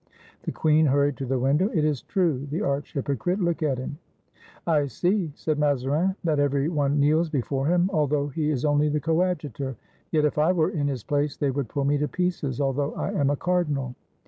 The queen hurried to the window. "It is true; the arch hypocrite! Look at him." "I see," said Mazarin, "that every one kneels before him, although he is only the Coadjutor; yet if I were in his place they would pull me to pieces, although I am a cardinal.